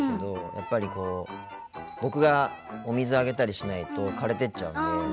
やっぱり僕がお水あげたりしないと枯れてっちゃうので。